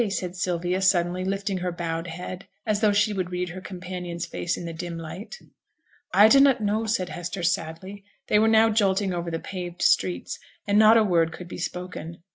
said Sylvia, suddenly, lifting her bowed head, as though she would read her companion's face in the dim light. 'I dunnot know,' said Hester, sadly. They were now jolting over the paved streets, and not a word could be spoken.